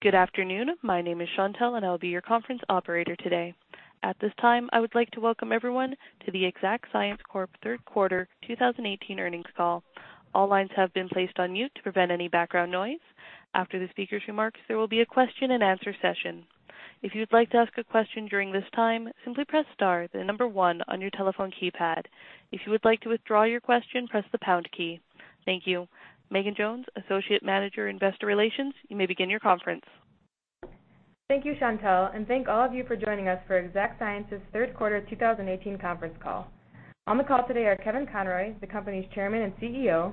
Good afternoon. My name is Shontelle, I will be your conference operator today. At this time, I would like to welcome everyone to the Exact Sciences Corp. Third Quarter 2018 Earnings Call. All lines have been placed on mute to prevent any background noise. After the speaker's remarks, there will be a question and answer session. If you'd like to ask a question during this time, simply press star, the number one on your telephone keypad. If you would like to withdraw your question, press the pound key. Thank you. Megan Jones, Associate Manager, Investor Relations, you may begin your conference. Thank you, Shontelle, thank all of you for joining us for Exact Sciences' Third Quarter 2018 conference call. On the call today are Kevin Conroy, the company's Chairman and CEO;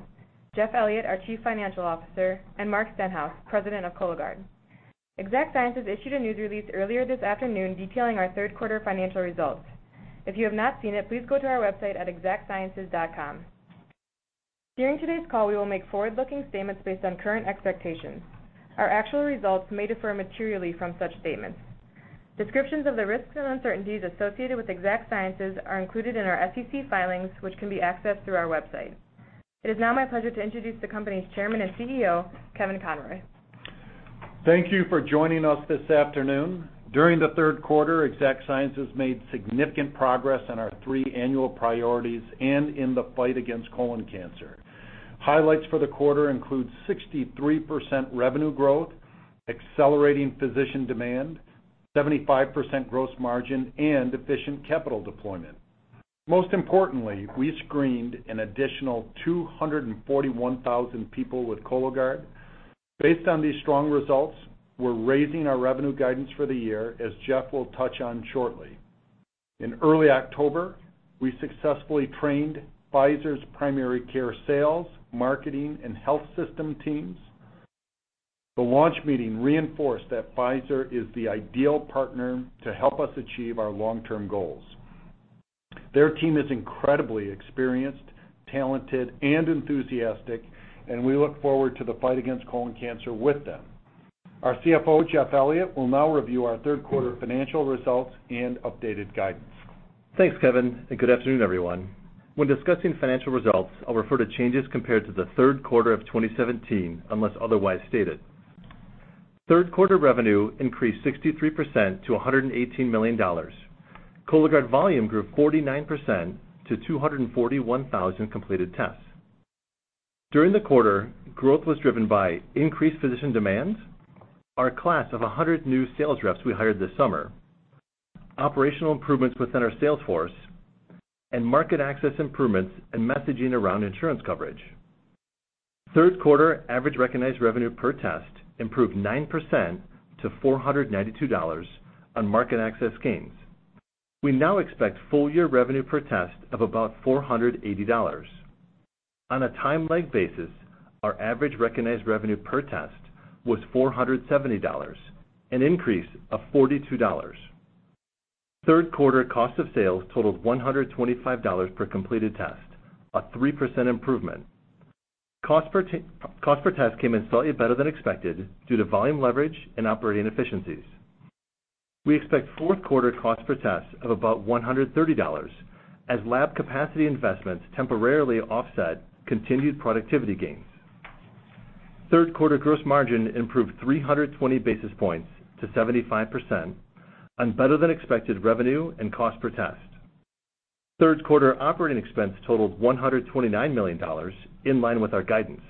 Jeff Elliott, our Chief Financial Officer; and Mark Stenhouse, President of Cologuard. Exact Sciences issued a news release earlier this afternoon detailing our third quarter financial results. If you have not seen it, please go to our website at exactsciences.com. During today's call, we will make forward-looking statements based on current expectations. Our actual results may differ materially from such statements. Descriptions of the risks and uncertainties associated with Exact Sciences are included in our SEC filings, which can be accessed through our website. It is now my pleasure to introduce the company's Chairman and CEO, Kevin Conroy. Thank you for joining us this afternoon. During the third quarter, Exact Sciences made significant progress on our three annual priorities in the fight against colon cancer. Highlights for the quarter include 63% revenue growth, accelerating physician demand, 75% gross margin, and efficient capital deployment. Most importantly, we screened an additional 241,000 people with Cologuard. Based on these strong results, we're raising our revenue guidance for the year, as Jeff will touch on shortly. In early October, we successfully trained Pfizer's primary care sales, marketing, and health system teams. The launch meeting reinforced that Pfizer is the ideal partner to help us achieve our long-term goals. Their team is incredibly experienced, talented, and enthusiastic, we look forward to the fight against colon cancer with them. Our CFO, Jeff Elliott, will now review our third quarter financial results and updated guidance. Thanks, Kevin, good afternoon, everyone. When discussing financial results, I'll refer to changes compared to the third quarter of 2017, unless otherwise stated. Third quarter revenue increased 63% to $118 million. Cologuard volume grew 49% to 241,000 completed tests. During the quarter, growth was driven by increased physician demands, our class of 100 new sales reps we hired this summer, operational improvements within our sales force, market access improvements and messaging around insurance coverage. Third quarter average recognized revenue per test improved 9% to $492 on market access gains. We now expect full year revenue per test of about $480. On a time-lag basis, our average recognized revenue per test was $470, an increase of $42. Third quarter cost of sales totaled $125 per completed test, a 3% improvement. Cost per test came in slightly better than expected due to volume leverage and operating efficiencies. We expect fourth quarter cost per test of about $130 as lab capacity investments temporarily offset continued productivity gains. Third quarter gross margin improved 320 basis points to 75% on better than expected revenue and cost per test. Third quarter operating expense totaled $129 million in line with our guidance.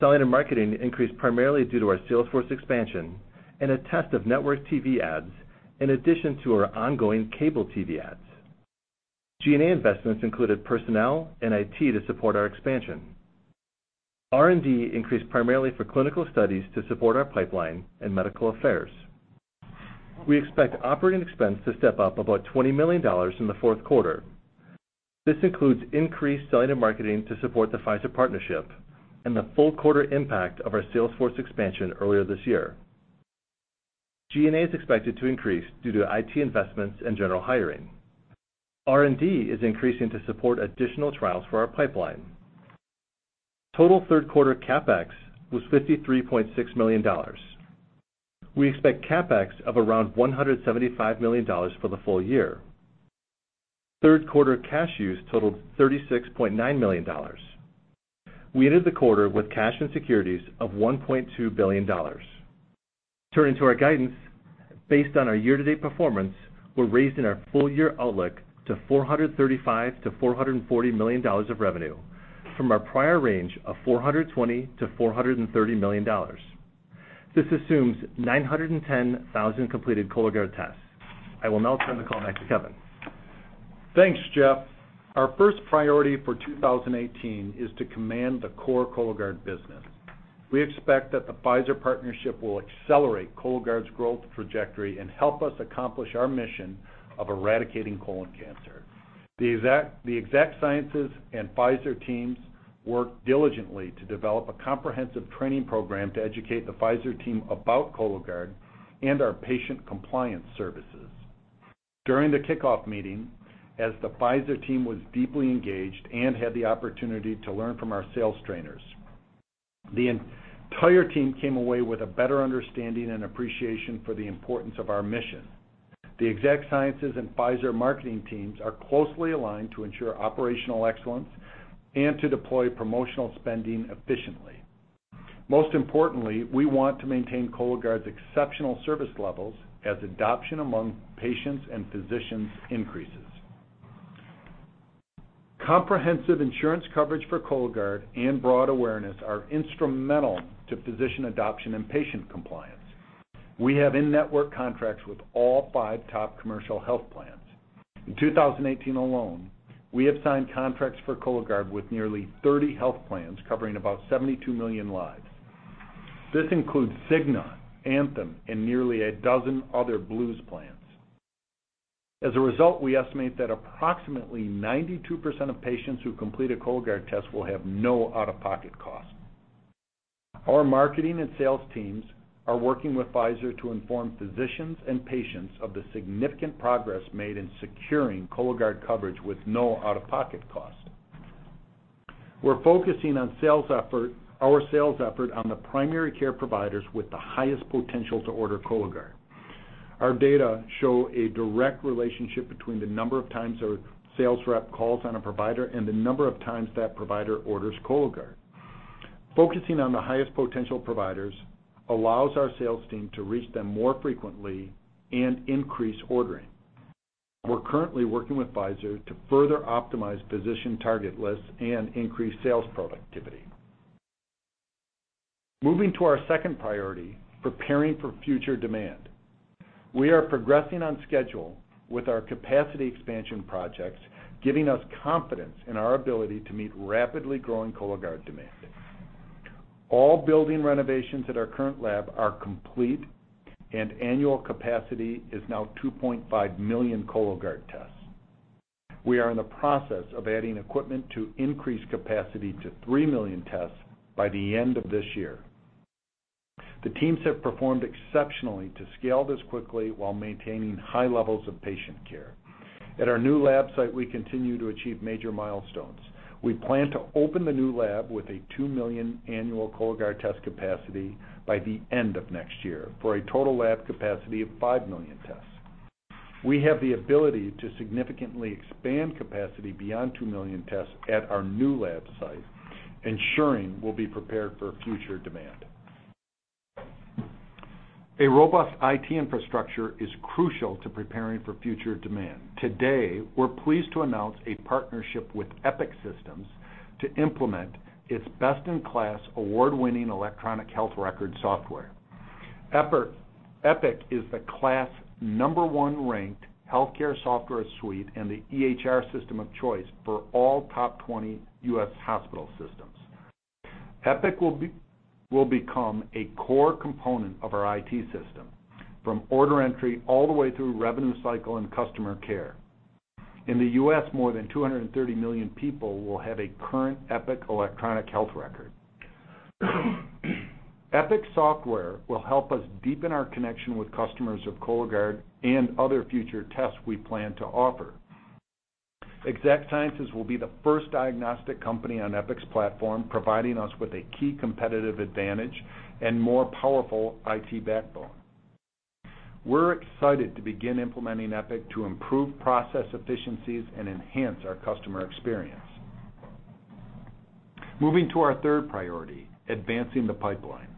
Selling and marketing increased primarily due to our sales force expansion and a test of network TV ads in addition to our ongoing cable TV ads. G&A investments included personnel and IT to support our expansion. R&D increased primarily for clinical studies to support our pipeline and medical affairs. We expect operating expense to step up about $20 million in the fourth quarter. This includes increased selling and marketing to support the Pfizer partnership and the full quarter impact of our sales force expansion earlier this year. G&A is expected to increase due to IT investments and general hiring. R&D is increasing to support additional trials for our pipeline. Total third quarter CapEx was $53.6 million. We expect CapEx of around $175 million for the full year. Third quarter cash use totaled $36.9 million. We ended the quarter with cash and securities of $1.2 billion. Turning to our guidance, based on our year-to-date performance, we're raising our full year outlook to $435 million-$440 million of revenue from our prior range of $420 million-$430 million. This assumes 910,000 completed Cologuard tests. I will now turn the call back to Kevin. Thanks, Jeff. Our first priority for 2018 is to command the core Cologuard business. We expect that the Pfizer partnership will accelerate Cologuard's growth trajectory and help us accomplish our mission of eradicating colon cancer. The Exact Sciences and Pfizer teams worked diligently to develop a comprehensive training program to educate the Pfizer team about Cologuard and our patient compliance services. During the kickoff meeting, as the Pfizer team was deeply engaged and had the opportunity to learn from our sales trainers, the entire team came away with a better understanding and appreciation for the importance of our mission. The Exact Sciences and Pfizer marketing teams are closely aligned to ensure operational excellence and to deploy promotional spending efficiently. Most importantly, we want to maintain Cologuard's exceptional service levels as adoption among patients and physicians increases. Comprehensive insurance coverage for Cologuard and broad awareness are instrumental to physician adoption and patient compliance. We have in-network contracts with all five top commercial health plans. In 2018 alone, we have signed contracts for Cologuard with nearly 30 health plans covering about 72 million lives. This includes Cigna, Anthem, and nearly a dozen other Blues plans. As a result, we estimate that approximately 92% of patients who complete a Cologuard test will have no out-of-pocket cost. Our marketing and sales teams are working with Pfizer to inform physicians and patients of the significant progress made in securing Cologuard coverage with no out-of-pocket cost. We're focusing our sales effort on the primary care providers with the highest potential to order Cologuard. Our data show a direct relationship between the number of times our sales rep calls on a provider and the number of times that provider orders Cologuard. Focusing on the highest potential providers allows our sales team to reach them more frequently and increase ordering. We are currently working with Pfizer to further optimize physician target lists and increase sales productivity. Moving to our second priority, preparing for future demand. We are progressing on schedule with our capacity expansion projects, giving us confidence in our ability to meet rapidly growing Cologuard demand. All building renovations at our current lab are complete, and annual capacity is now 2.5 million Cologuard tests. We are in the process of adding equipment to increase capacity to 3 million tests by the end of this year. The teams have performed exceptionally to scale this quickly while maintaining high levels of patient care. At our new lab site, we continue to achieve major milestones. We plan to open the new lab with a 2 million annual Cologuard test capacity by the end of next year for a total lab capacity of 5 million tests. We have the ability to significantly expand capacity beyond 2 million tests at our new lab site, ensuring we will be prepared for future demand. A robust IT infrastructure is crucial to preparing for future demand. Today, we are pleased to announce a partnership with Epic Systems to implement its best-in-class award-winning electronic health record software. Epic is the class 1 ranked healthcare software suite and the EHR system of choice for all top 20 U.S. hospital systems. Epic will become a core component of our IT system, from order entry all the way through revenue cycle and customer care. In the U.S., more than 230 million people will have a current Epic electronic health record. Epic software will help us deepen our connection with customers of Cologuard and other future tests we plan to offer. Exact Sciences will be the first diagnostic company on Epic's platform, providing us with a key competitive advantage and more powerful IT backbone. We are excited to begin implementing Epic to improve process efficiencies and enhance our customer experience. Moving to our third priority, advancing the pipeline.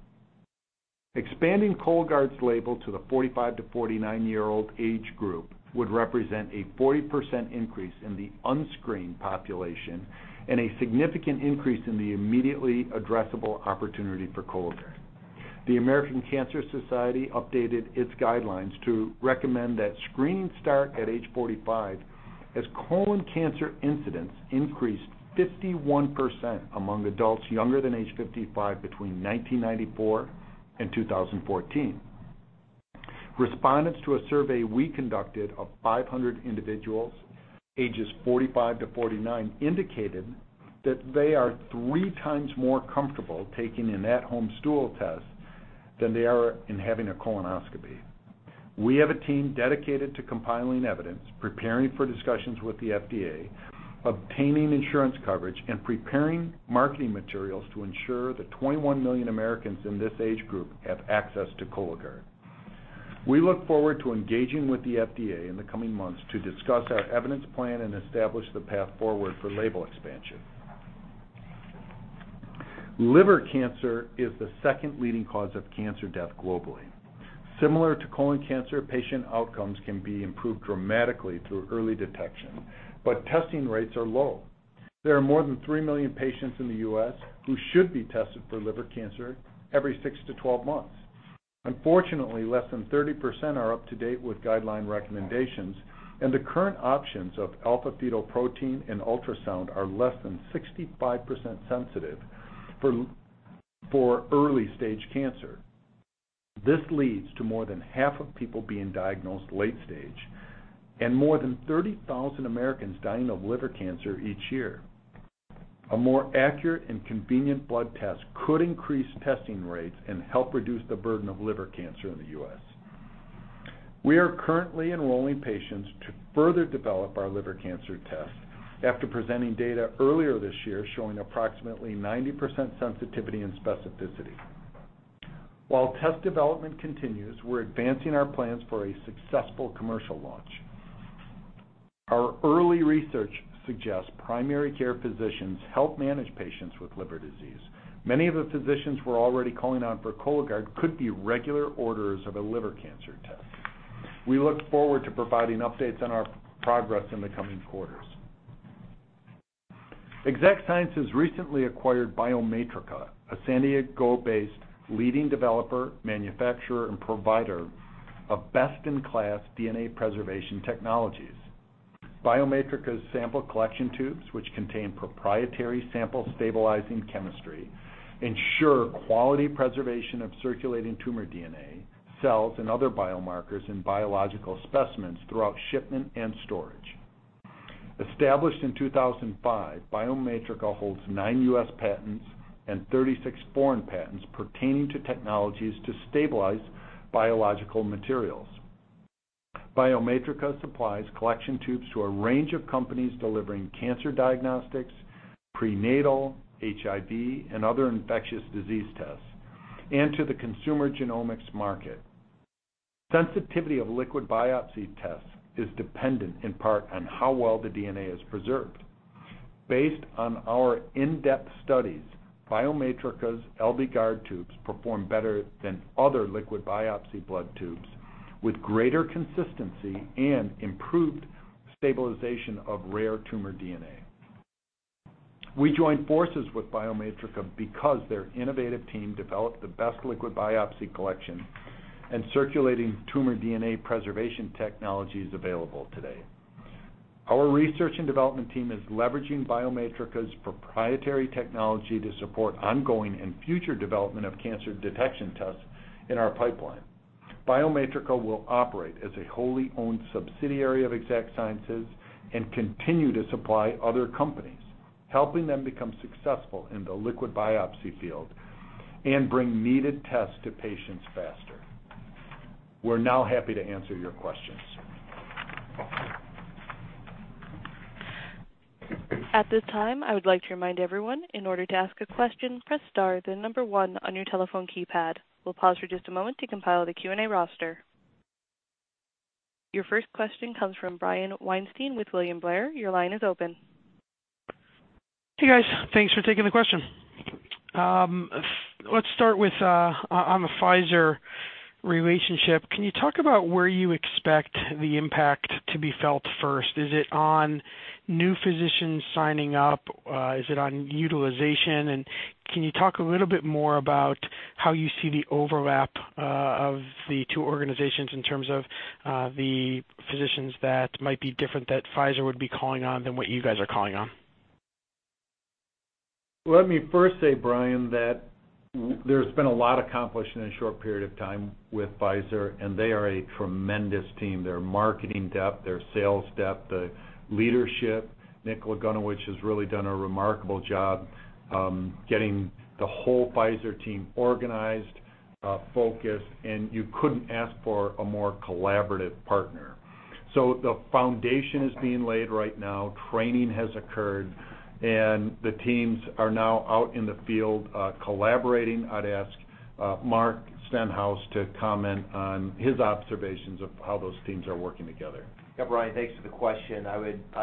Expanding Cologuard's label to the 45 to 49-year-old age group would represent a 40% increase in the unscreened population and a significant increase in the immediately addressable opportunity for Cologuard. The American Cancer Society updated its guidelines to recommend that screening start at age 45, as colon cancer incidence increased 51% among adults younger than age 55 between 1994 and 2014. Respondents to a survey we conducted of 500 individuals ages 45 to 49 indicated that they are 3 times more comfortable taking an at-home stool test than they are in having a colonoscopy. We have a team dedicated to compiling evidence, preparing for discussions with the FDA, obtaining insurance coverage, and preparing marketing materials to ensure the 21 million Americans in this age group have access to Cologuard. We look forward to engaging with the FDA in the coming months to discuss our evidence plan and establish the path forward for label expansion. Liver cancer is the second leading cause of cancer death globally. Similar to colon cancer, patient outcomes can be improved dramatically through early detection, but testing rates are low. There are more than 3 million patients in the U.S. who should be tested for liver cancer every 6 to 12 months. Unfortunately, less than 30% are up to date with guideline recommendations, and the current options of alpha-fetoprotein and ultrasound are less than 65% sensitive for early-stage cancer. This leads to more than half of people being diagnosed late stage and more than 30,000 Americans dying of liver cancer each year. A more accurate and convenient blood test could increase testing rates and help reduce the burden of liver cancer in the U.S. We are currently enrolling patients to further develop our liver cancer test after presenting data earlier this year showing approximately 90% sensitivity and specificity. While test development continues, we're advancing our plans for a successful commercial launch. Our early research suggests primary care physicians help manage patients with liver disease. Many of the physicians we're already calling on for Cologuard could be regular orders of a liver cancer test. We look forward to providing updates on our progress in the coming quarters. Exact Sciences recently acquired Biomatrica, a San Diego-based leading developer, manufacturer, and provider of best-in-class DNA preservation technologies. Biomatrica's sample collection tubes, which contain proprietary sample stabilizing chemistry, ensure quality preservation of circulating tumor DNA, cells, and other biomarkers and biological specimens throughout shipment and storage. Established in 2005, Biomatrica holds nine U.S. patents and 36 foreign patents pertaining to technologies to stabilize biological materials. Biomatrica supplies collection tubes to a range of companies delivering cancer diagnostics, prenatal, HIV, and other infectious disease tests, and to the consumer genomics market. Sensitivity of liquid biopsy tests is dependent in part on how well the DNA is preserved. Based on our in-depth studies, Biomatrica's LBgard tubes perform better than other liquid biopsy blood tubes with greater consistency and improved stabilization of rare tumor DNA. We joined forces with Biomatrica because their innovative team developed the best liquid biopsy collection and circulating tumor DNA preservation technologies available today. Our research and development team is leveraging Biomatrica's proprietary technology to support ongoing and future development of cancer detection tests in our pipeline. Biomatrica will operate as a wholly owned subsidiary of Exact Sciences and continue to supply other companies, helping them become successful in the liquid biopsy field and bring needed tests to patients faster. We're now happy to answer your questions. At this time, I would like to remind everyone, in order to ask a question, press star, then number one on your telephone keypad. We'll pause for just a moment to compile the Q&A roster. Your first question comes from Brian Weinstein with William Blair. Your line is open. Hey, guys. Thanks for taking the question. Let's start with on the Pfizer relationship. Can you talk about where you expect the impact to be felt first? Is it on new physicians signing up? Is it on utilization? Can you talk a little bit more about how you see the overlap of the two organizations in terms of the physicians that might be different that Pfizer would be calling on than what you guys are calling on? Let me first say, Brian, that there's been a lot accomplished in a short period of time with Pfizer, and they are a tremendous team. Their marketing depth, their sales depth, the leadership. Nick Lagunowich has really done a remarkable job getting the whole Pfizer team organized, focused, and you couldn't ask for a more collaborative partner. The foundation is being laid right now. Training has occurred. The teams are now out in the field collaborating. I'd ask Mark Stenhouse to comment on his observations of how those teams are working together. Yeah, Brian, thanks for the question. I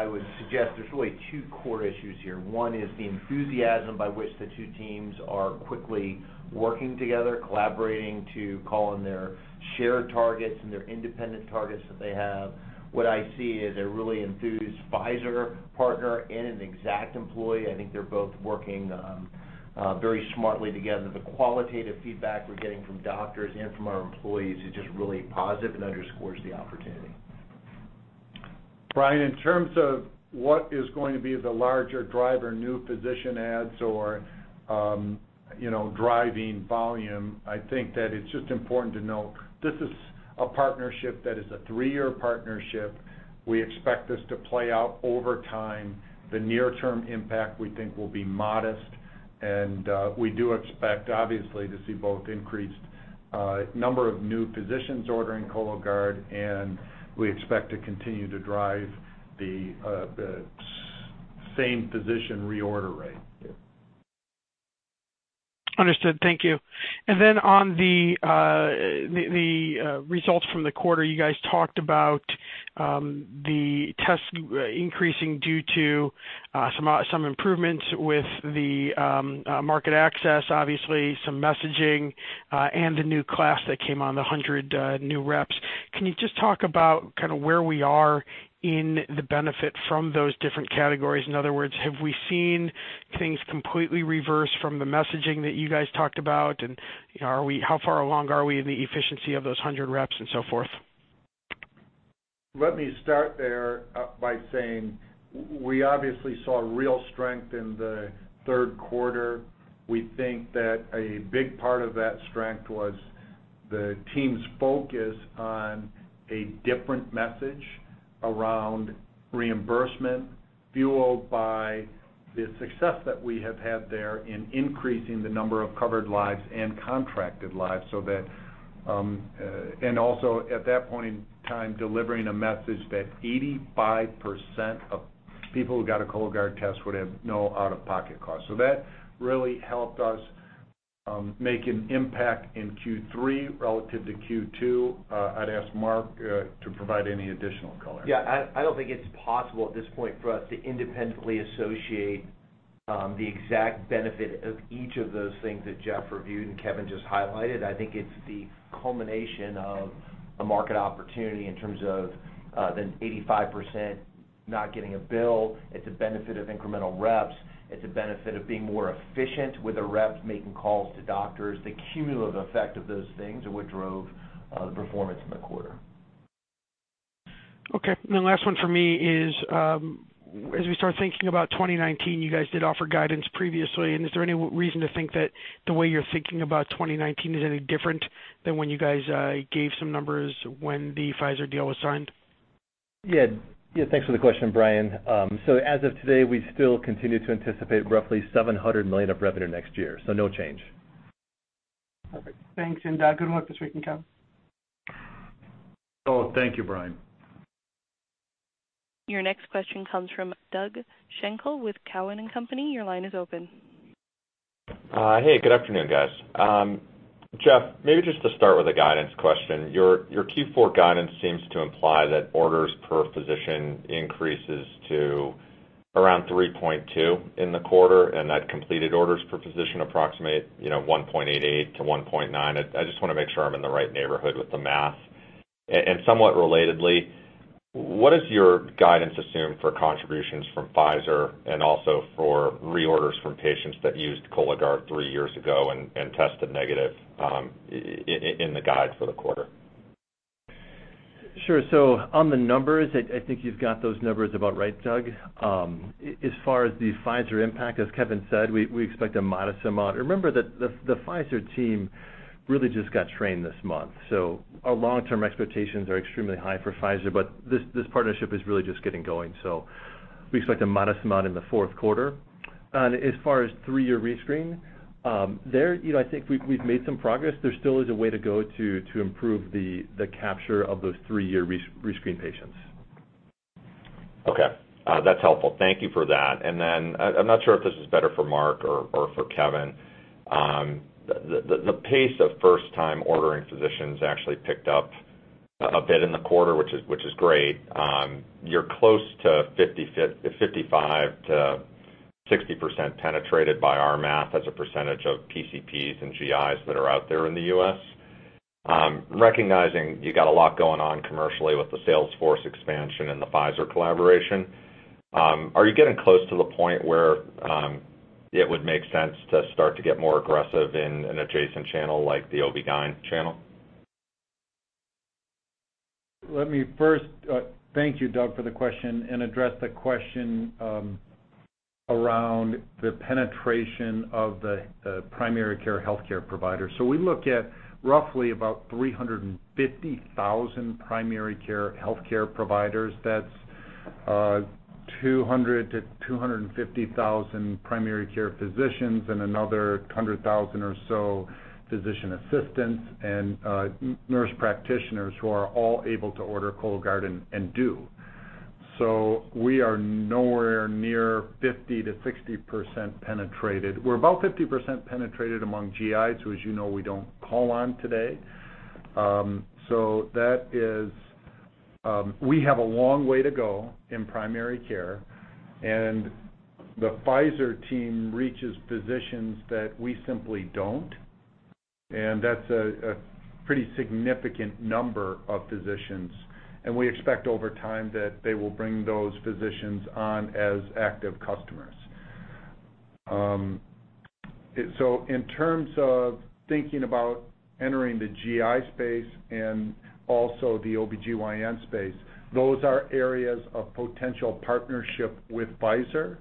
would suggest there's really two core issues here. One is the enthusiasm by which the two teams are quickly working together, collaborating to call on their shared targets and their independent targets that they have. What I see is a really enthused Pfizer partner and an Exact employee. I think they're both working very smartly together. The qualitative feedback we're getting from doctors and from our employees is just really positive and underscores the opportunity. Brian, in terms of what is going to be the larger driver, new physician adds or driving volume, I think that it's just important to note this is a partnership that is a three-year partnership. We expect this to play out over time. The near-term impact we think will be modest. We do expect, obviously, to see both increased number of new physicians ordering Cologuard, and we expect to continue to drive the same physician reorder rate. Understood. Thank you. On the results from the quarter, you guys talked about the tests increasing due to some improvements with the market access, obviously some messaging, and the new class that came on, the 100 new reps. Can you just talk about where we are in the benefit from those different categories? In other words, have we seen things completely reverse from the messaging that you guys talked about? How far along are we in the efficiency of those 100 reps and so forth? Let me start there by saying we obviously saw real strength in the third quarter. We think that a big part of that strength was the team's focus on a different message around reimbursement, fueled by the success that we have had there in increasing the number of covered lives and contracted lives. Also at that point in time, delivering a message that 85% of people who got a Cologuard test would have no out-of-pocket costs. That really helped us make an impact in Q3 relative to Q2. I'd ask Mark to provide any additional color. Yeah, I don't think it's possible at this point for us to independently associate the exact benefit of each of those things that Jeff reviewed and Kevin just highlighted. I think it's the culmination of a market opportunity in terms of the 85% not getting a bill. It's a benefit of incremental reps. It's a benefit of being more efficient with the reps making calls to doctors. The cumulative effect of those things are what drove the performance in the quarter. Okay. Last one from me is, as we start thinking about 2019, you guys did offer guidance previously, is there any reason to think that the way you're thinking about 2019 is any different than when you guys gave some numbers when the Pfizer deal was signed? Yeah. Thanks for the question, Brian. As of today, we still continue to anticipate roughly $700 million of revenue next year. No change. Perfect. Thanks, and good luck this week in CO. Thank you, Brian. Your next question comes from Doug Schenkel with Cowen and Company. Your line is open. Hey, good afternoon, guys. Jeff, maybe just to start with a guidance question. Your Q4 guidance seems to imply that orders per physician increases to around 3.2 in the quarter, and that completed orders per physician approximate 1.88 to 1.9. I just want to make sure I'm in the right neighborhood with the math. Somewhat relatedly, what does your guidance assume for contributions from Pfizer and also for reorders from patients that used Cologuard three years ago and tested negative in the guide for the quarter? Sure. On the numbers, I think you've got those numbers about right, Doug. As far as the Pfizer impact, as Kevin said, we expect a modest amount. Remember that the Pfizer team really just got trained this month, our long-term expectations are extremely high for Pfizer. This partnership is really just getting going, we expect a modest amount in the fourth quarter. As far as three-year rescreen, there, I think we've made some progress. There still is a way to go to improve the capture of those three-year rescreen patients. Okay. That's helpful. Thank you for that. I'm not sure if this is better for Mark or for Kevin. The pace of first-time ordering physicians actually picked up a bit in the quarter, which is great. You're close to 55%-60% penetrated by our math as a percentage of PCPs and GIs that are out there in the U.S. Recognizing you got a lot going on commercially with the sales force expansion and the Pfizer collaboration, are you getting close to the point where it would make sense to start to get more aggressive in an adjacent channel like the OBGYN channel? Let me first thank you, Doug, for the question and address the question around the penetration of the primary care healthcare provider. We look at roughly about 350,000 primary care healthcare providers. That's 200,000 to 250,000 primary care physicians and another 100,000 or so physician assistants and nurse practitioners who are all able to order Cologuard and do. We are nowhere near 50%-60% penetrated. We're about 50% penetrated among GIs, who, as you know, we don't call on today. We have a long way to go in primary care, the Pfizer team reaches physicians that we simply don't, that's a pretty significant number of physicians, and we expect over time that they will bring those physicians on as active customers. In terms of thinking about entering the GI space and also the OBGYN space, those are areas of potential partnership with Pfizer.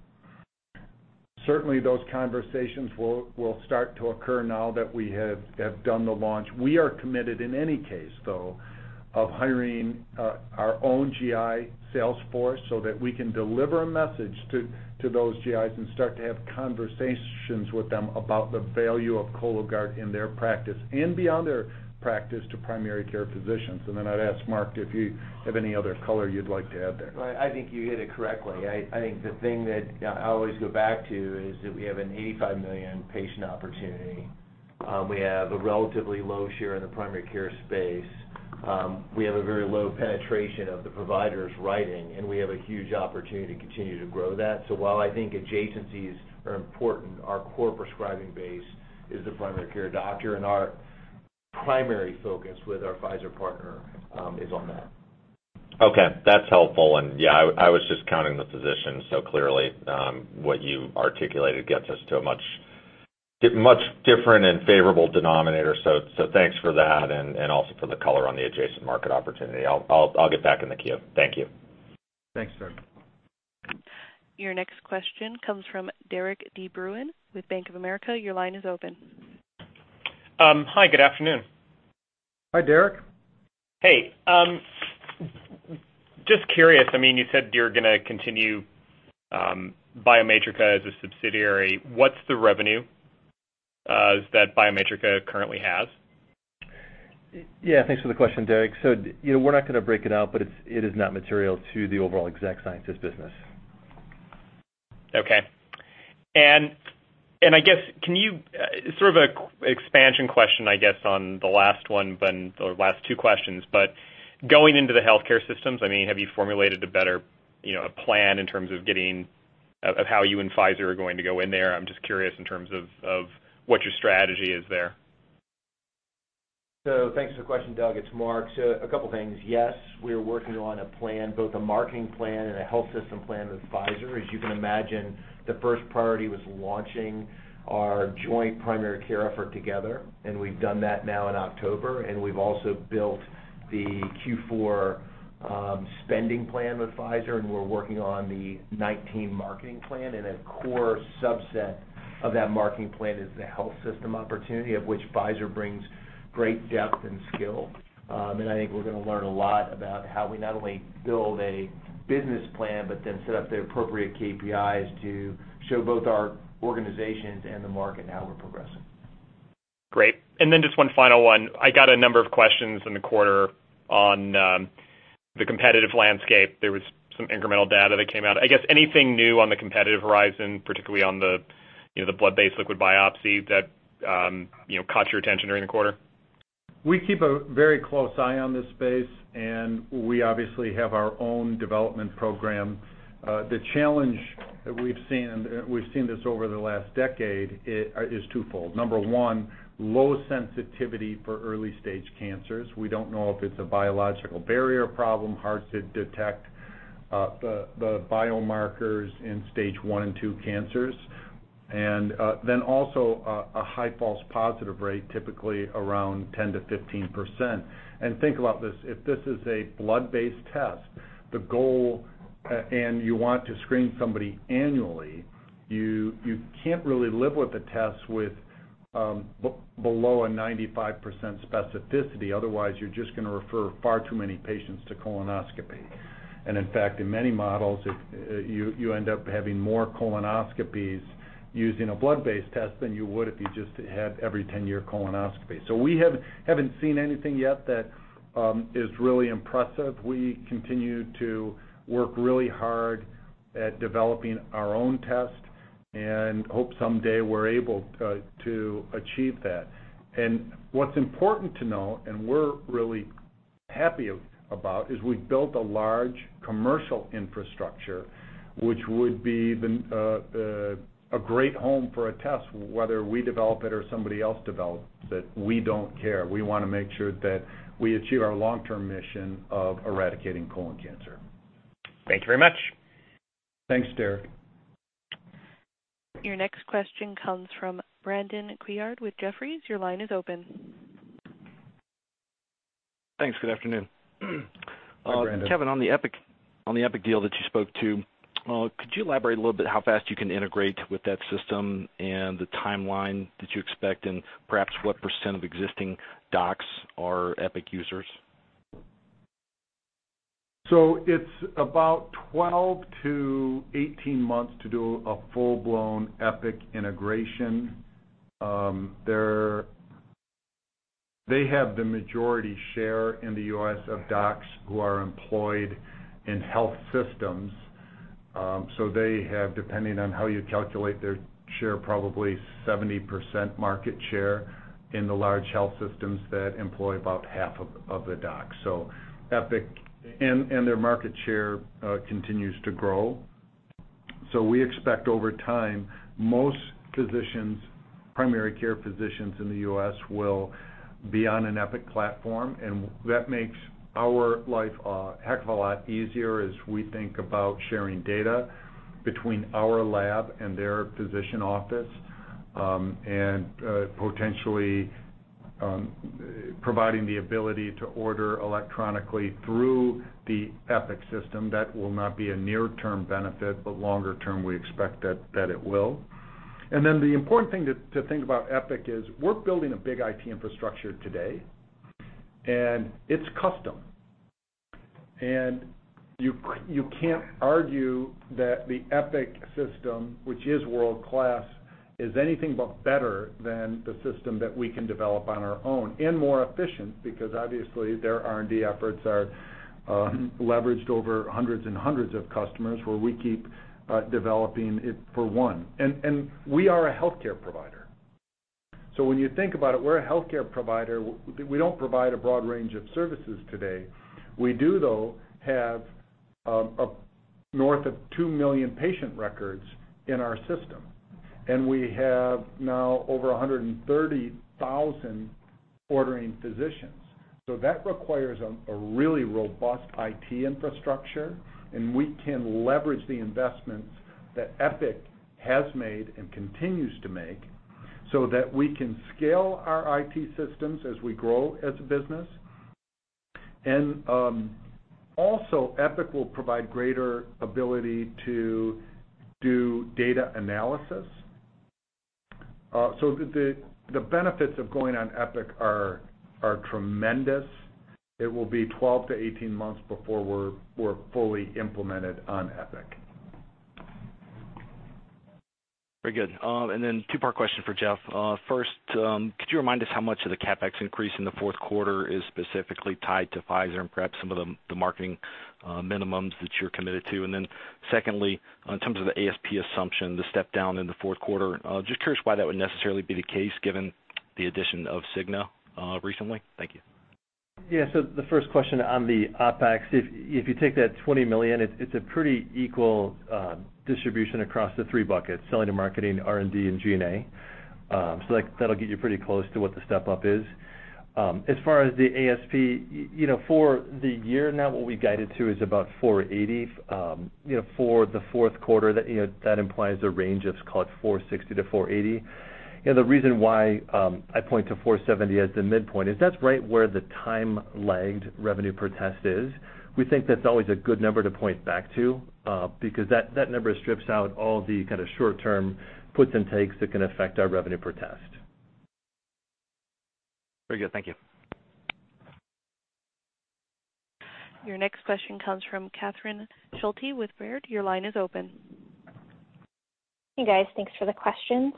Certainly, those conversations will start to occur now that we have done the launch. We are committed, in any case, though, of hiring our own GI sales force so that we can deliver a message to those GIs and start to have conversations with them about the value of Cologuard in their practice and beyond their practice to primary care physicians. I'd ask Mark if you have any other color you'd like to add there. I think you hit it correctly. I think the thing that I always go back to is that we have an 85 million patient opportunity. We have a relatively low share in the primary care space. We have a very low penetration of the providers writing, and we have a huge opportunity to continue to grow that. While I think adjacencies are important, our core prescribing base is the primary care doctor, and our primary focus with our Pfizer partner is on that. Okay, that's helpful. Yeah, I was just counting the physicians, clearly, what you articulated gets us to a much different and favorable denominator. Thanks for that and also for the color on the adjacent market opportunity. I'll get back in the queue. Thank you. Thanks, Doug. Your next question comes from Derik de Bruin with Bank of America. Your line is open. Hi, good afternoon. Hi, Derik. Hey. Just curious, you said you're going to continue Biomatrica as a subsidiary. What's the revenue that Biomatrica currently has? Yeah, thanks for the question, Derik. We're not going to break it out, but it is not material to the overall Exact Sciences business. Okay. I guess, sort of an expansion question, I guess, on the last one, or last two questions, but going into the healthcare systems, have you formulated a better plan in terms of how you and Pfizer are going to go in there? I'm just curious in terms of what your strategy is there. Thanks for the question, Doug. It's Mark. A couple of things. Yes, we are working on a plan, both a marketing plan and a health system plan with Pfizer. As you can imagine, the first priority was launching our joint primary care effort together, we've done that now in October, we've also built the Q4 spending plan with Pfizer, and we're working on the 2019 marketing plan. A core subset of that marketing plan is the health system opportunity, of which Pfizer brings great depth and skill. I think we're going to learn a lot about how we not only build a business plan, set up the appropriate KPIs to show both our organizations and the market how we're progressing. Great. Just one final one. I got a number of questions in the quarter on the competitive landscape. There was some incremental data that came out. I guess anything new on the competitive horizon, particularly on the blood-based liquid biopsy that caught your attention during the quarter? We keep a very close eye on this space, we obviously have our own development program. The challenge that we've seen, we've seen this over the last decade, is twofold. Number one, low sensitivity for early-stage cancers. We don't know if it's a biological barrier problem, hard to detect the biomarkers in stage 1 and 2 cancers. Also a high false positive rate, typically around 10%-15%. Think about this, if this is a blood-based test, the goal, you want to screen somebody annually, you can't really live with a test with below a 95% specificity. Otherwise, you're just going to refer far too many patients to colonoscopy. In fact, in many models, you end up having more colonoscopies using a blood-based test than you would if you just had every 10-year colonoscopy. We haven't seen anything yet that is really impressive. We continue to work really hard at developing our own test and hope someday we're able to achieve that. What's important to know, and we're really happy about, is we've built a large commercial infrastructure, which would be a great home for a test, whether we develop it or somebody else develops it, we don't care. We want to make sure that we achieve our long-term mission of eradicating colon cancer. Thank you very much. Thanks, Derik. Your next question comes from Brandon Couillard with Jefferies. Your line is open. Thanks. Good afternoon. Hi, Brandon. Kevin, on the Epic deal that you spoke to, could you elaborate a little bit how fast you can integrate with that system and the timeline that you expect, and perhaps what % of existing docs are Epic users? It's about 12 to 18 months to do a full-blown Epic integration. They have the majority share in the U.S. of docs who are employed in health systems. They have, depending on how you calculate their share, probably 70% market share in the large health systems that employ about half of the docs. Their market share continues to grow. We expect over time, most physicians, primary care physicians in the U.S. will be on an Epic platform, and that makes our life a heck of a lot easier as we think about sharing data between our lab and their physician office. Potentially providing the ability to order electronically through the Epic system. That will not be a near-term benefit, but longer-term, we expect that it will. The important thing to think about Epic is we're building a big IT infrastructure today, and it's custom. You can't argue that the Epic system, which is world-class, is anything but better than the system that we can develop on our own and more efficient because obviously their R&D efforts are leveraged over hundreds and hundreds of customers, where we keep developing it for one. We are a healthcare provider. When you think about it, we're a healthcare provider. We don't provide a broad range of services today. We do, though, have north of 2 million patient records in our system. We have now over 130,000 ordering physicians. That requires a really robust IT infrastructure, and we can leverage the investments that Epic has made and continues to make so that we can scale our IT systems as we grow as a business. Epic will provide greater ability to do data analysis. The benefits of going on Epic are tremendous. It will be 12 to 18 months before we're fully implemented on Epic. Very good. Two-part question for Jeff. First, could you remind us how much of the CapEx increase in the fourth quarter is specifically tied to Pfizer and perhaps some of the marketing minimums that you're committed to? Secondly, in terms of the ASP assumption, the step-down in the fourth quarter, just curious why that would necessarily be the case given the addition of Cigna recently. Thank you. Yeah. The first question on the OpEx, if you take that $20 million, it's a pretty equal distribution across the three buckets: selling to marketing, R&D, and G&A. That'll get you pretty close to what the step-up is. As far as the ASP, for the year now, what we guided to is about $480. For the fourth quarter, that implies a range of, let's call it, $460-$480. The reason why I point to $470 as the midpoint is that's right where the time-lagged revenue per test is. We think that's always a good number to point back to, because that number strips out all the kind of short-term puts and takes that can affect our revenue per test. Very good. Thank you. Your next question comes from Catherine Schulte with Baird. Your line is open. Hey, guys. Thanks for the questions.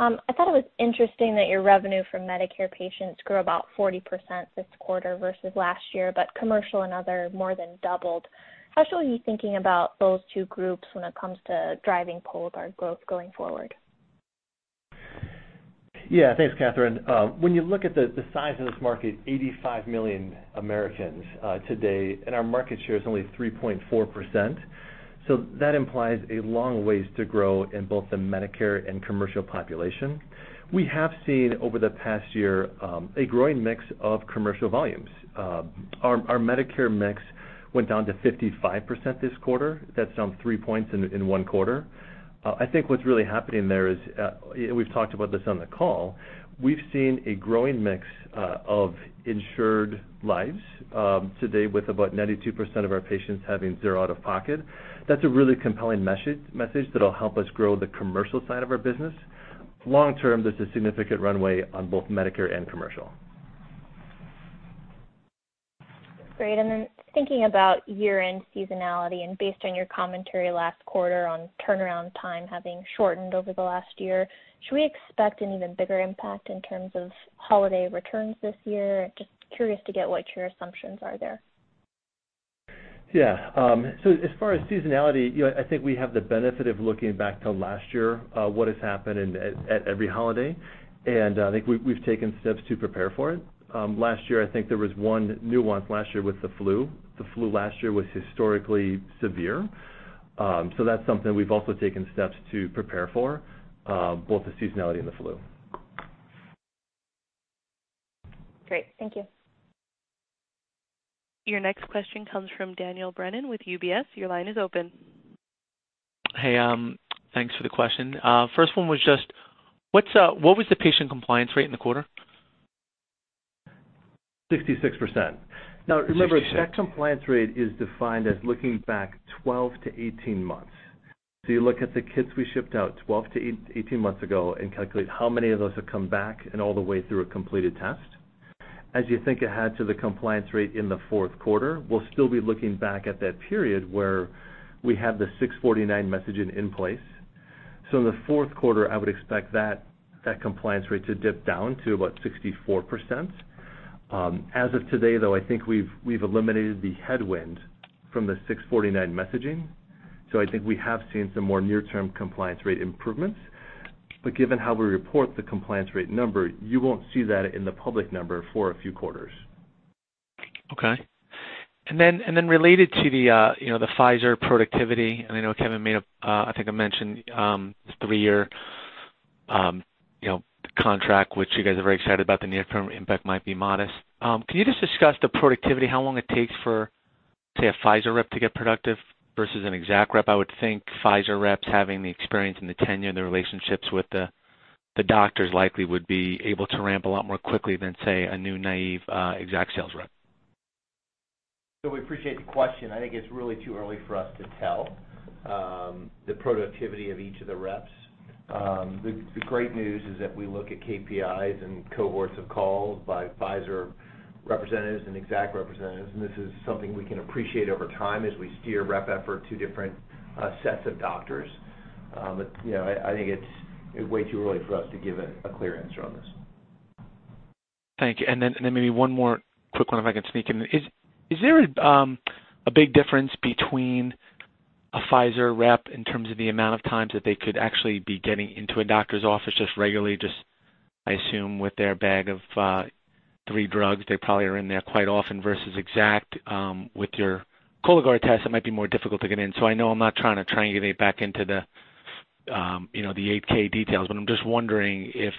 I thought it was interesting that your revenue from Medicare patients grew about 40% this quarter versus last year, commercial and other more than doubled. How shall you be thinking about those two groups when it comes to driving Cologuard growth going forward? Yeah. Thanks, Catherine. When you look at the size of this market, 85 million Americans today, and our market share is only 3.4%. That implies a long ways to grow in both the Medicare and commercial population. We have seen, over the past year, a growing mix of commercial volumes. Our Medicare mix went down to 55% this quarter. That's down three points in one quarter. I think what's really happening there is, we've talked about this on the call, we've seen a growing mix of insured lives today with about 92% of our patients having zero out-of-pocket. That's a really compelling message that'll help us grow the commercial side of our business. Long-term, there's a significant runway on both Medicare and commercial. Great, thinking about year-end seasonality and based on your commentary last quarter on turnaround time having shortened over the last year, should we expect an even bigger impact in terms of holiday returns this year? Just curious to get what your assumptions are there. Yeah. As far as seasonality, I think we have the benefit of looking back to last year, what has happened at every holiday, and I think we've taken steps to prepare for it. Last year, I think there was one nuance last year with the flu. The flu last year was historically severe, that's something we've also taken steps to prepare for, both the seasonality and the flu. Great. Thank you. Your next question comes from Daniel Brennan with UBS. Your line is open. Hey, thanks for the question. First one was just, what was the patient compliance rate in the quarter? 66%. Sixty-six. Remember, that compliance rate is defined as looking back 12 to 18 months. You look at the kits we shipped out 12 to 18 months ago and calculate how many of those have come back and all the way through a completed test. As you think ahead to the compliance rate in the fourth quarter, we'll still be looking back at that period where we had the 649 messaging in place. In the fourth quarter, I would expect that compliance rate to dip down to about 64%. As of today, though, I think we've eliminated the headwind from the 649 messaging. I think we have seen some more near-term compliance rate improvements. Given how we report the compliance rate number, you won't see that in the public number for a few quarters. Okay. Related to the Pfizer productivity, I know Kevin made a, I think I mentioned, three-year contract, which you guys are very excited about the near-term impact might be modest. Can you just discuss the productivity, how long it takes for, say, a Pfizer rep to get productive versus an Exact rep? I would think Pfizer reps, having the experience and the tenure, the relationships with the doctors likely would be able to ramp a lot more quickly than, say, a new, naïve Exact sales rep. We appreciate the question. I think it's really too early for us to tell the productivity of each of the reps. The great news is that we look at KPIs and cohorts of calls by Pfizer representatives and Exact representatives, and this is something we can appreciate over time as we steer rep effort to different sets of doctors. I think it's way too early for us to give a clear answer on this. Thank you. Maybe one more quick one if I can sneak in. Is there a big difference between a Pfizer rep in terms of the amount of times that they could actually be getting into a doctor's office just regularly, just I assume with their bag of three drugs, they probably are in there quite often, versus Exact with your Cologuard test, it might be more difficult to get in. I know I'm not trying to triangulate back into the 8-K details, but I'm just wondering if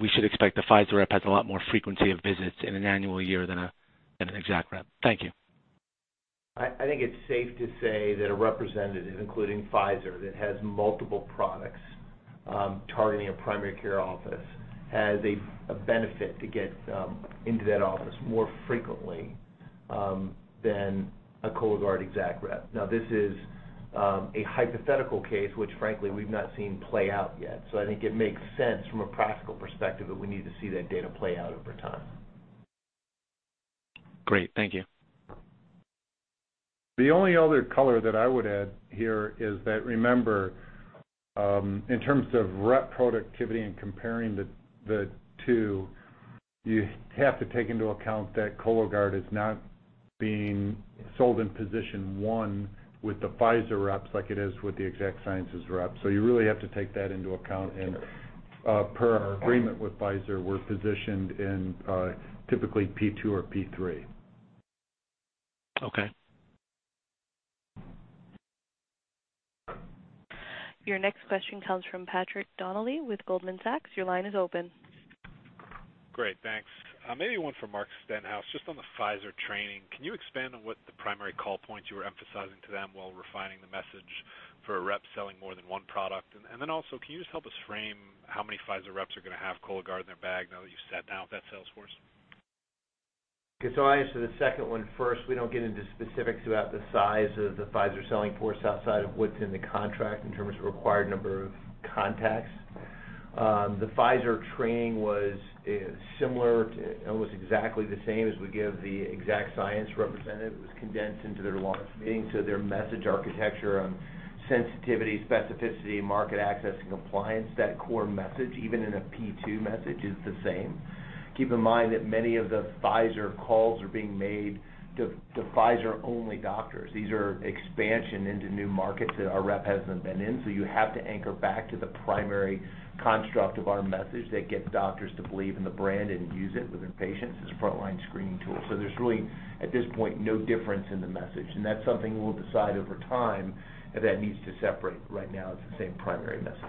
we should expect the Pfizer rep has a lot more frequency of visits in an annual year than an Exact rep. Thank you. I think it's safe to say that a representative, including Pfizer, that has multiple products targeting a primary care office, has a benefit to get into that office more frequently than a Cologuard Exact rep. Now, this is a hypothetical case, which frankly, we've not seen play out yet. I think it makes sense from a practical perspective, but we need to see that data play out over time. Great. Thank you. The only other color that I would add here is that, remember, in terms of rep productivity and comparing the two, you have to take into account that Cologuard is not being sold in position 1 with the Pfizer reps like it is with the Exact Sciences rep. You really have to take that into account. Per our agreement with Pfizer, we're positioned in typically P2 or P3. Okay. Your next question comes from Patrick Donnelly with Goldman Sachs. Your line is open. Great, thanks. Maybe one for Mark Stenhouse, just on the Pfizer training. Can you expand on what the primary call points you were emphasizing to them while refining the message for a rep selling more than one product? Also, can you just help us frame how many Pfizer reps are going to have Cologuard in their bag now that you've sat down with that sales force? Okay, I answer the second one first. We don't get into specifics about the size of the Pfizer selling force outside of what's in the contract in terms of required number of contacts. The Pfizer training was similar to, almost exactly the same as we give the Exact Sciences representative. It was condensed into their launch meeting, so their message architecture on sensitivity, specificity, market access, and compliance. That core message, even in a P2 message, is the same. Keep in mind that many of the Pfizer calls are being made to Pfizer-only doctors. These are expansion into new markets that our rep hasn't been in. You have to anchor back to the primary construct of our message that gets doctors to believe in the brand and use it with their patients as a frontline screening tool. There's really, at this point, no difference in the message, and that's something we'll decide over time if that needs to separate. Right now, it's the same primary message.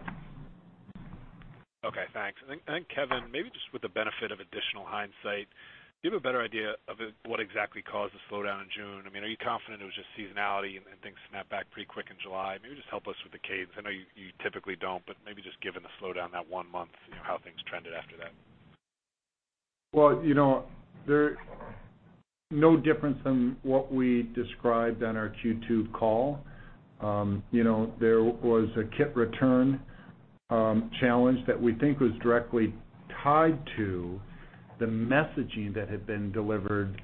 Okay, thanks. Kevin, maybe just with the benefit of additional hindsight, do you have a better idea of what exactly caused the slowdown in June? Are you confident it was just seasonality and things snapped back pretty quick in July? Maybe just help us with the cadence. I know you typically don't, but maybe just given the slowdown that one month, how things trended after that. Well, there's no difference from what we described on our Q2 call. There was a kit return challenge that we think was directly tied to the messaging that had been delivered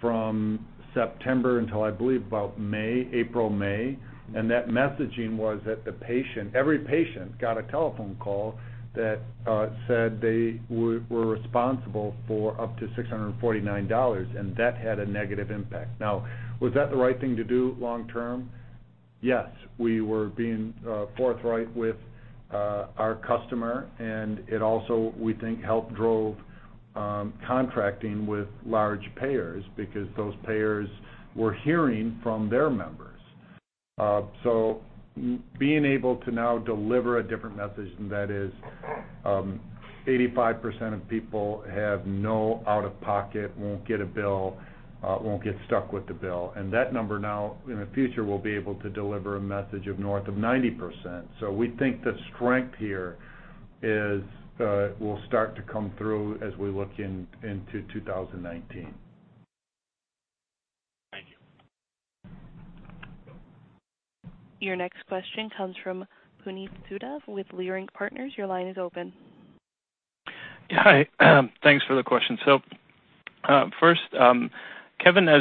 from September until, I believe, about April, May. That messaging was that every patient got a telephone call that said they were responsible for up to $649, and that had a negative impact. Now, was that the right thing to do long term? Yes. We were being forthright with our customer, and it also, we think, helped drove contracting with large payers because those payers were hearing from their members. Being able to now deliver a different message, and that is 85% of people have no out-of-pocket, won't get a bill, won't get stuck with the bill. That number now, in the future, we'll be able to deliver a message of north of 90%. We think the strength here will start to come through as we look into 2019. Thank you. Your next question comes from Puneet Souda with Leerink Partners. Your line is open. Hi. Thanks for the question. First, Kevin, I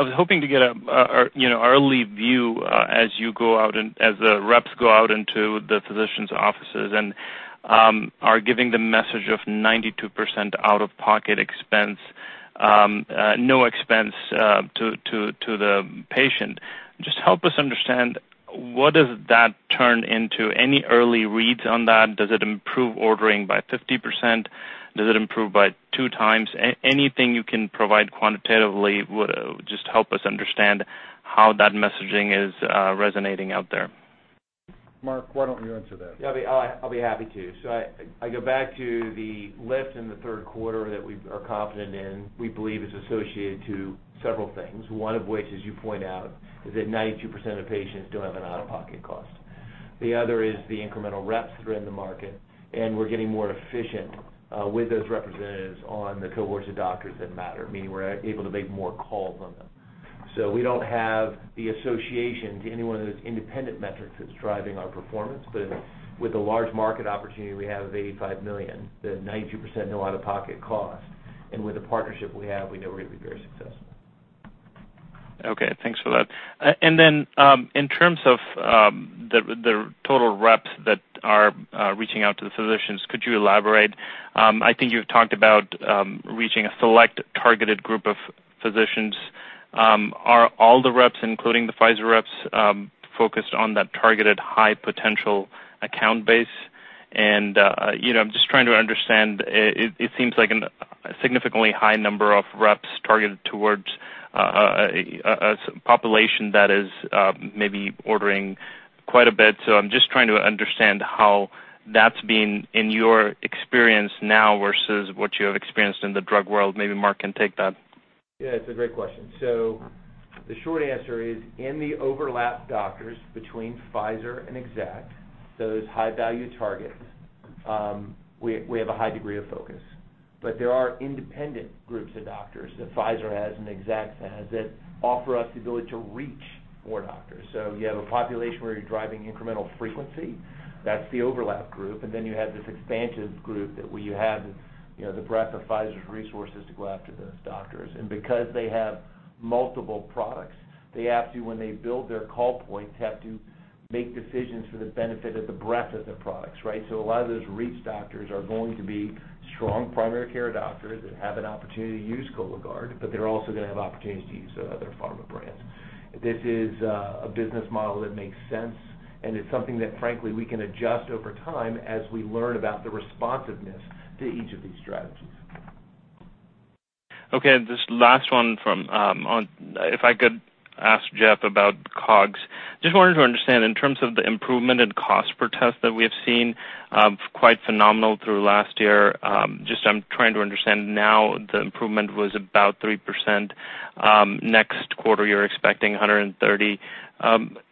was hoping to get an early view as the reps go out into the physicians' offices and are giving the message of 92% out-of-pocket expense, no expense to the patient. Just help us understand what does that turn into? Any early reads on that? Does it improve ordering by 50%? Does it improve by two times? Anything you can provide quantitatively would just help us understand how that messaging is resonating out there. Mark, why don't you answer that? I'll be happy to. I go back to the lift in the third quarter that we are confident in. We believe it's associated to several things, one of which, as you point out, is that 92% of patients don't have an out-of-pocket cost. The other is the incremental reps that are in the market, we're getting more efficient with those representatives on the cohorts of doctors that matter, meaning we're able to make more calls on them. We don't have the association to any one of those independent metrics that's driving our performance. With the large market opportunity we have of $85 million, the 90% no out-of-pocket cost, with the partnership we have, we know we're going to be very successful. Okay, thanks for that. Then, in terms of the total reps that are reaching out to the physicians, could you elaborate? I think you've talked about reaching a select targeted group of physicians. Are all the reps, including the Pfizer reps, focused on that targeted high-potential account base? I'm just trying to understand, it seems like a significantly high number of reps targeted towards a population that is maybe ordering quite a bit. I'm just trying to understand how that's been in your experience now versus what you have experienced in the drug world. Maybe Mark can take that. Yeah, it's a great question. The short answer is, in the overlap doctors between Pfizer and Exact, those high-value targets We have a high degree of focus, but there are independent groups of doctors that Pfizer has and Exact has that offer us the ability to reach more doctors. You have a population where you're driving incremental frequency, that's the overlap group, and then you have this expansive group that where you have the breadth of Pfizer's resources to go after those doctors. Because they have multiple products, they have to, when they build their call points, have to make decisions for the benefit of the breadth of their products, right? A lot of those reach doctors are going to be strong primary care doctors that have an opportunity to use Cologuard, but they're also going to have opportunities to use other pharma brands. This is a business model that makes sense, and it's something that frankly, we can adjust over time as we learn about the responsiveness to each of these strategies. Okay. This last one if I could ask Jeff about COGS. Just wanted to understand in terms of the improvement in cost per test that we have seen, quite phenomenal through last year. Just I'm trying to understand now the improvement was about 3%. Next quarter, you're expecting 130.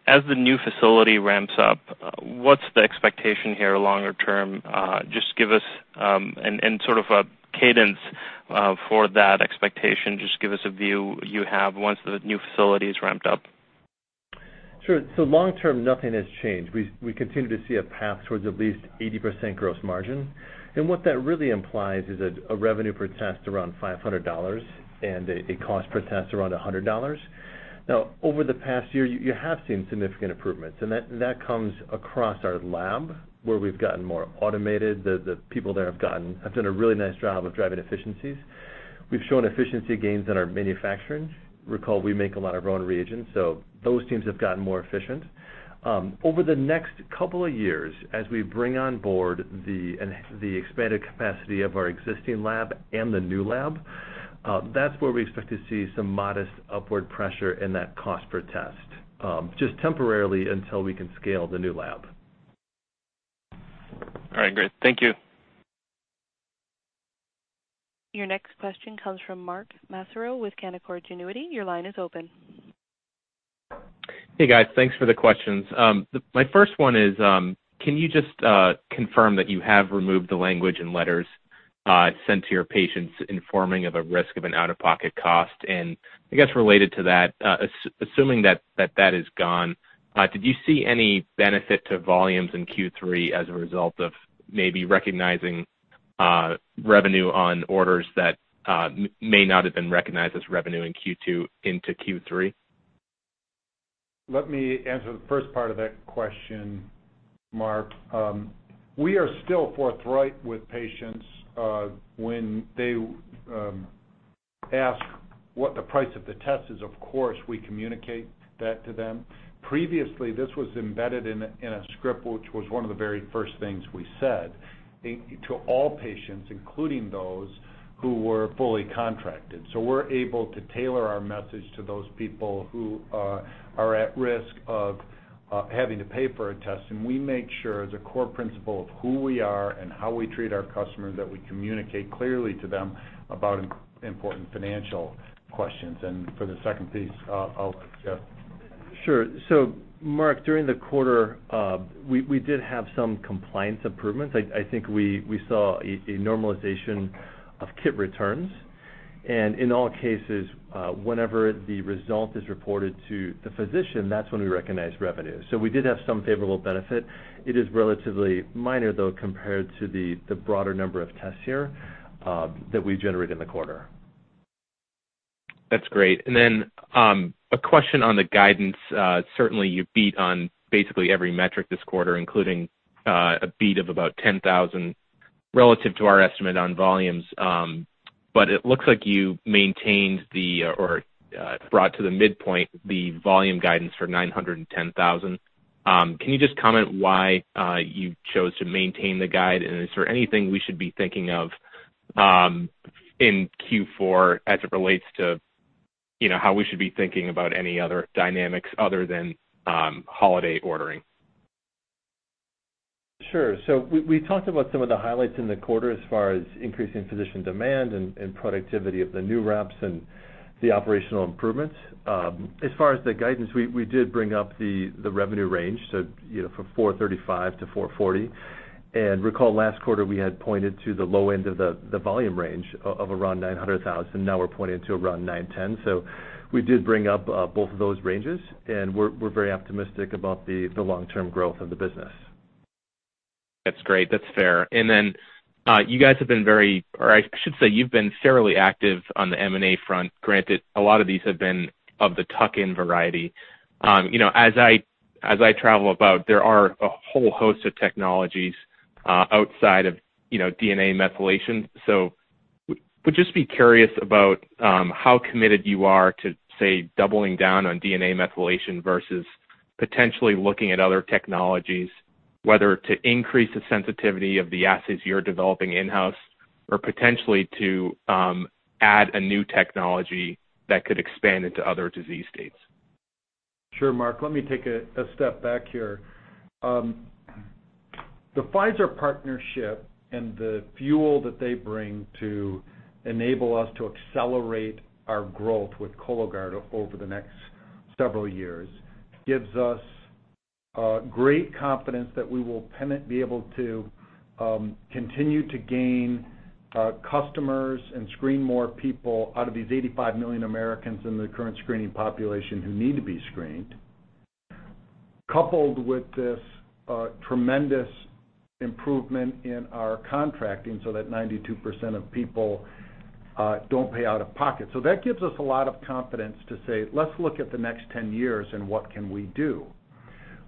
As the new facility ramps up, what's the expectation here longer term? Just give us, and sort of a cadence for that expectation. Just give us a view you have once the new facility is ramped up. Sure. Long term, nothing has changed. We continue to see a path towards at least 80% gross margin. What that really implies is a revenue per test around $500 and a cost per test around $100. Over the past year, you have seen significant improvements, and that comes across our lab where we've gotten more automated. The people there have done a really nice job of driving efficiencies. We've shown efficiency gains in our manufacturing. Recall, we make a lot of our own reagents, so those teams have gotten more efficient. Over the next couple of years, as we bring on board the expanded capacity of our existing lab and the new lab, that's where we expect to see some modest upward pressure in that cost per test, just temporarily until we can scale the new lab. All right, great. Thank you. Your next question comes from Mark Massaro with Canaccord Genuity. Your line is open. Hey, guys. Thanks for the questions. My first one is, can you just confirm that you have removed the language and letters sent to your patients informing of a risk of an out-of-pocket cost? I guess related to that, assuming that that is gone, did you see any benefit to volumes in Q3 as a result of maybe recognizing revenue on orders that may not have been recognized as revenue in Q2 into Q3? Let me answer the first part of that question, Mark. We are still forthright with patients, when they ask what the price of the test is, of course, we communicate that to them. Previously, this was embedded in a script, which was one of the very first things we said to all patients, including those who were fully contracted. We're able to tailor our message to those people who are at risk of having to pay for a test. We make sure as a core principle of who we are and how we treat our customers, that we communicate clearly to them about important financial questions. For the second piece, I'll let Jeff. Sure. Mark, during the quarter, we did have some compliance improvements. I think we saw a normalization of kit returns, and in all cases, whenever the result is reported to the physician, that's when we recognize revenue. We did have some favorable benefit. It is relatively minor, though, compared to the broader number of tests here that we generate in the quarter. That's great. A question on the guidance. Certainly, you beat on basically every metric this quarter, including a beat of about 10,000 relative to our estimate on volumes. It looks like you maintained the, or brought to the midpoint the volume guidance for 910,000. Can you just comment why you chose to maintain the guide? Is there anything we should be thinking of in Q4 as it relates to how we should be thinking about any other dynamics other than holiday ordering? Sure. We talked about some of the highlights in the quarter as far as increasing physician demand and productivity of the new reps and the operational improvements. As far as the guidance, we did bring up the revenue range, from $435 million-$440 million. Recall last quarter, we had pointed to the low end of the volume range of around 900,000. Now we're pointing to around 910. We did bring up both of those ranges, and we're very optimistic about the long-term growth of the business. That's great. That's fair. You guys have been very, or I should say you've been fairly active on the M&A front. Granted, a lot of these have been of the tuck-in variety. As I travel about, there are a whole host of technologies outside of DNA methylation. Would just be curious about how committed you are to, say, doubling down on DNA methylation versus potentially looking at other technologies, whether to increase the sensitivity of the assays you're developing in-house or potentially to add a new technology that could expand into other disease states. Sure, Mark. Let me take a step back here. The Pfizer partnership and the fuel that they bring to enable us to accelerate our growth with Cologuard over the next several years, gives us great confidence that we will be able to continue to gain customers and screen more people out of these 85 million Americans in the current screening population who need to be screened, coupled with this tremendous improvement in our contracting so that 92% of people don't pay out of pocket. That gives us a lot of confidence to say, "Let's look at the next 10 years and what can we do?"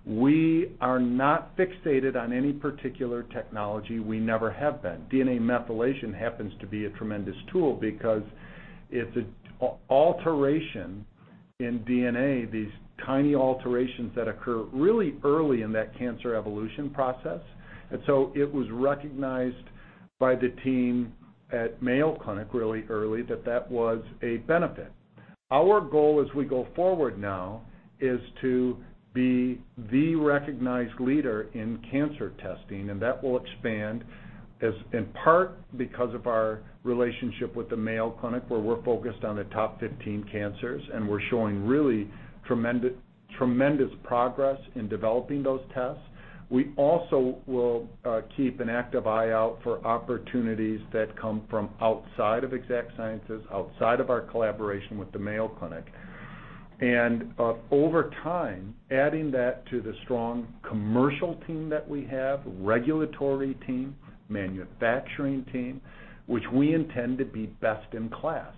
We are not fixated on any particular technology, we never have been. DNA methylation happens to be a tremendous tool because it's an alteration in DNA, these tiny alterations that occur really early in that cancer evolution process. It was recognized by the team at Mayo Clinic really early that that was a benefit. Our goal as we go forward now is to be the recognized leader in cancer testing, and that will expand in part because of our relationship with the Mayo Clinic, where we're focused on the top 15 cancers, and we're showing really tremendous progress in developing those tests. We also will keep an active eye out for opportunities that come from outside of Exact Sciences, outside of our collaboration with the Mayo Clinic. Over time, adding that to the strong commercial team that we have, regulatory team, manufacturing team, which we intend to be best in class.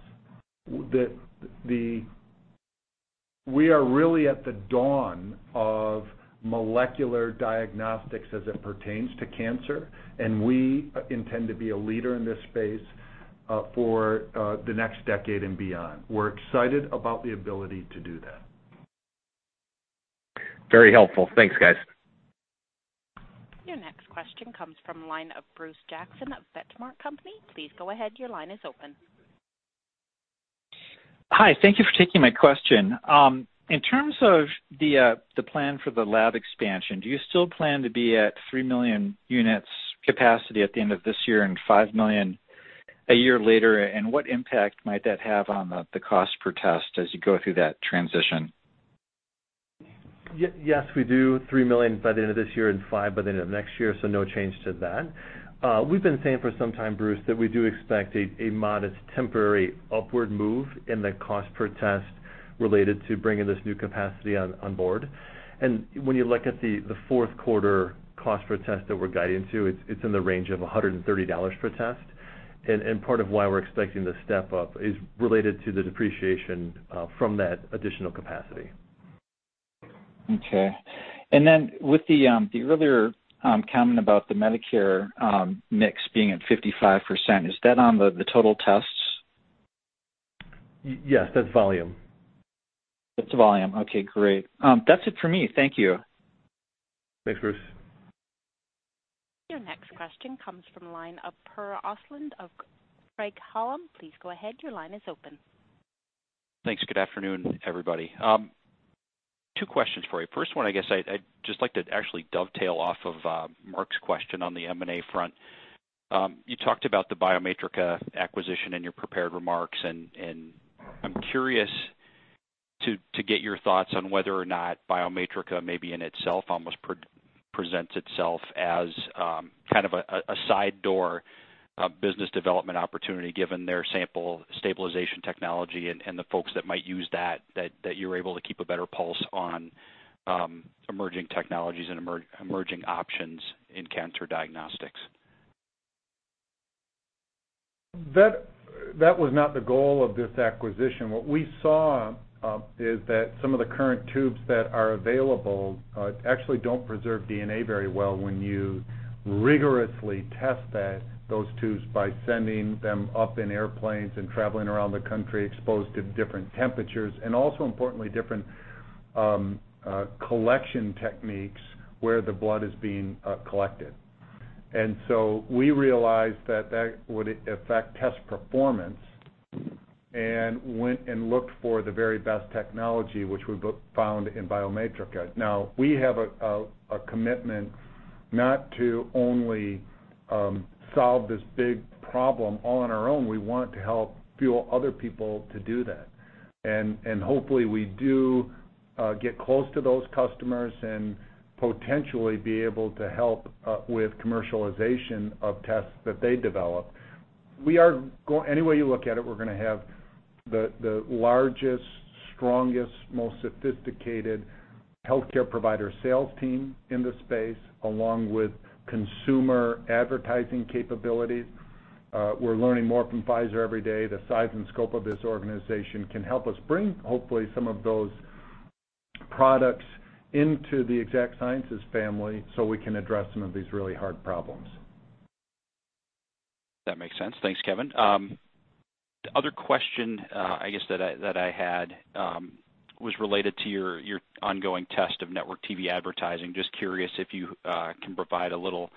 We are really at the dawn of molecular diagnostics as it pertains to cancer, and we intend to be a leader in this space for the next decade and beyond. We're excited about the ability to do that. Very helpful. Thanks, guys. Your next question comes from the line of Bruce Jackson of The Benchmark Company. Please go ahead, your line is open. Hi. Thank you for taking my question. In terms of the plan for the lab expansion, do you still plan to be at 3 million units capacity at the end of this year and 5 million a year later? What impact might that have on the cost per test as you go through that transition? Yes, we do 3 million by the end of this year and five by the end of next year, no change to that. We've been saying for some time, Bruce, that we do expect a modest temporary upward move in the cost per test related to bringing this new capacity on board. When you look at the fourth quarter cost per test that we're guiding to, it's in the range of $130 per test. Part of why we're expecting the step up is related to the depreciation from that additional capacity. Okay. With the earlier comment about the Medicare mix being at 55%, is that on the total tests? Yes, that's volume. That's volume. Okay, great. That's it for me. Thank you. Thanks, Bruce. Your next question comes from the line of Per Ostlund of Craig-Hallum. Please go ahead, your line is open. Thanks. Good afternoon, everybody. Two questions for you. First one, I guess I'd just like to actually dovetail off of Mark's question on the M&A front. You talked about the Biomatrica acquisition in your prepared remarks, and I'm curious to get your thoughts on whether or not Biomatrica maybe in itself almost presents itself as kind of a side door business development opportunity, given their sample stabilization technology and the folks that might use that you're able to keep a better pulse on emerging technologies and emerging options in cancer diagnostics. That was not the goal of this acquisition. What we saw is that some of the current tubes that are available actually don't preserve DNA very well when you rigorously test those tubes by sending them up in airplanes and traveling around the country exposed to different temperatures, and also importantly, different collection techniques where the blood is being collected. We realized that that would affect test performance and went and looked for the very best technology, which we found in Biomatrica. Now, we have a commitment not to only solve this big problem all on our own. We want to help fuel other people to do that. Hopefully we do get close to those customers and potentially be able to help with commercialization of tests that they develop. Any way you look at it, we're going to have the largest, strongest, most sophisticated healthcare provider sales team in the space, along with consumer advertising capabilities. We're learning more from Pfizer every day. The size and scope of this organization can help us bring, hopefully, some of those products into the Exact Sciences family so we can address some of these really hard problems. That makes sense. Thanks, Kevin. The other question I guess that I had was related to your ongoing test of network TV advertising. Just curious if you can provide a little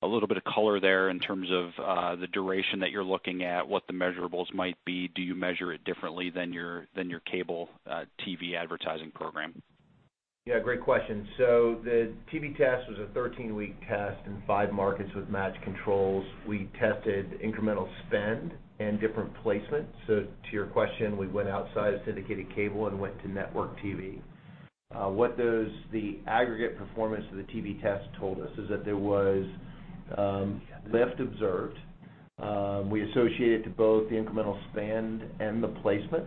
bit of color there in terms of the duration that you're looking at, what the measurables might be. Do you measure it differently than your cable TV advertising program? Great question. The TV test was a 13-week test in 5 markets with match controls. We tested incremental spend and different placements. To your question, we went outside of syndicated cable and went to network TV. What the aggregate performance of the TV test told us is that there was lift observed. We associate it to both the incremental spend and the placement.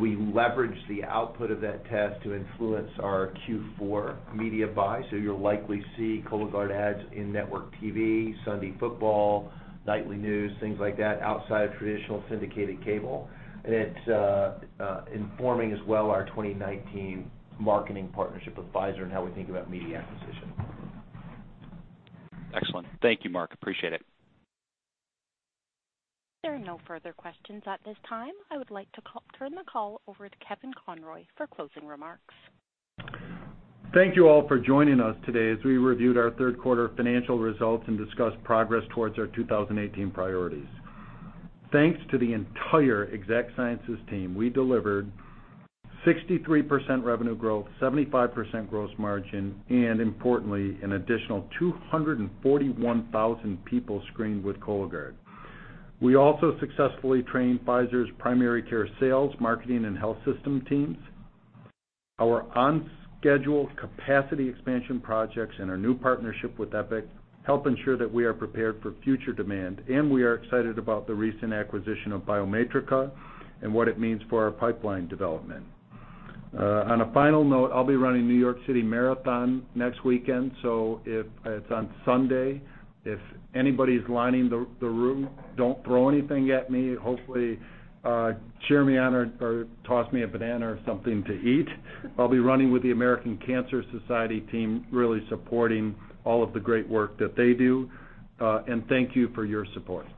We leveraged the output of that test to influence our Q4 media buy. You'll likely see Cologuard ads in network TV, Sunday football, nightly news, things like that, outside of traditional syndicated cable. It's informing as well our 2019 marketing partnership with Pfizer and how we think about media acquisition. Excellent. Thank you, Mark. Appreciate it. There are no further questions at this time. I would like to turn the call over to Kevin Conroy for closing remarks. Thank you all for joining us today as we reviewed our third quarter financial results and discussed progress towards our 2018 priorities. Thanks to the entire Exact Sciences team, we delivered 63% revenue growth, 75% gross margin, and importantly, an additional 241,000 people screened with Cologuard. We also successfully trained Pfizer's primary care sales, marketing, and health system teams. Our on-schedule capacity expansion projects and our new partnership with Epic help ensure that we are prepared for future demand. We are excited about the recent acquisition of Biomatrica and what it means for our pipeline development. On a final note, I'll be running New York City Marathon next weekend. It's on Sunday. If anybody's lining the route, don't throw anything at me. Hopefully, cheer me on or toss me a banana or something to eat. I'll be running with the American Cancer Society team, really supporting all of the great work that they do. Thank you for your support.